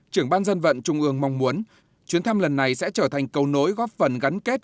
trưởng ban dân vận trung ương mong muốn chuyến thăm lần này sẽ trở thành cầu nối góp phần gắn kết